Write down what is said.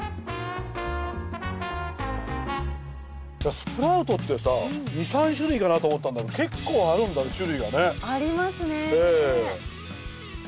スプラウトってさ２３種類かなと思ったんだけど結構あるんだね種類がね。ありますね。